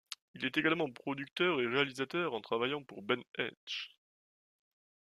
Il est également producteur et réalisateur, en travaillant pour Ben Hecht.